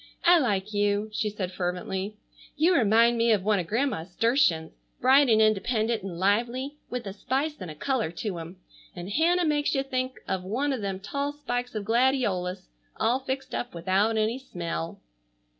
"I like you," she said fervently. "You remind me of one of Grandma's sturtions, bright and independent and lively, with a spice and a color to 'em, and Hannah makes you think of one of them tall spikes of gladiolus all fixed up without any smell."